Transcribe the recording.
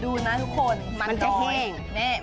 ดูนะทุกคนมันจะแฮ่ง